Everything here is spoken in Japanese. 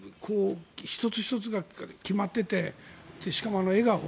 １つ１つが決まっててしかもあの笑顔。